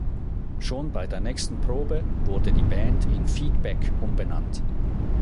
Schon bei der nächsten Probe wurde die Band in "Feedback" umbenannt.